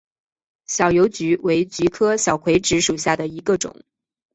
小油菊为菊科小葵子属下的一个种。